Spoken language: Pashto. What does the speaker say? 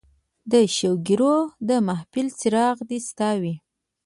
د شوګیراو د محفل څراغ دې ستا وي